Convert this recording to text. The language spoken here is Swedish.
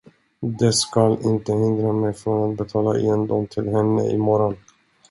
Det skall inte hindra mig från att betala igen dem till henne i morgon.